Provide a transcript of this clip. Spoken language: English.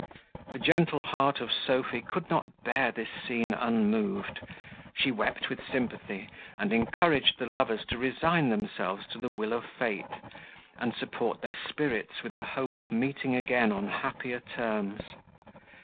The gentle heart of Sophy could not bear this scene unmoved: she wept with sympathy, and encouraged the lovers to resign themselves to the will of fate, and support their spirits with the hope of meeting again on happier terms.